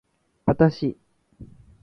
わたし